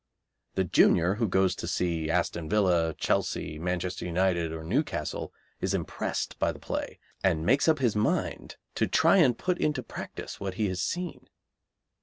The junior who goes to see Aston Villa, Chelsea, Manchester United, or Newcastle is impressed by the play, and makes up his mind to try and put into practice what he has seen.